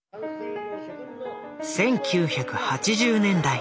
１９８０年代。